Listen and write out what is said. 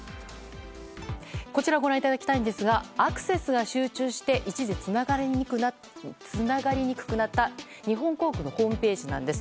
こちらをご覧いただきたいんですがアクセスが集中して一時つながりにくくなった日本航空のホームページなんです。